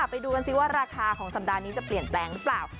ไปดูกันสิว่าราคาของสัปดาห์นี้จะเปลี่ยนแปลงหรือเปล่า